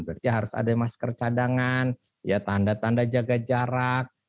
berarti harus ada masker cadangan tanda tanda jaga jarak